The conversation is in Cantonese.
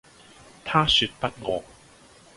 她說不餓